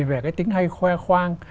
về cái tính hay khoe khoang